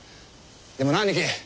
でもな兄貴